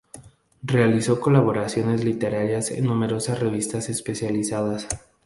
Realizó colaboraciones literarias en numerosas revistas especializadas.